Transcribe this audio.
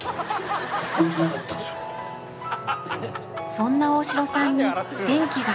そんな大城さんに転機が